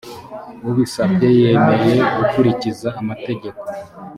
ubisabye yemeye gukurikiza amategeko